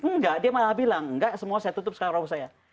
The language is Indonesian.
enggak dia malah bilang enggak semua saya tutup sekarang prabowo saya